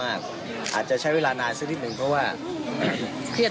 อ่าแน่นอนครับแน่นอนครับ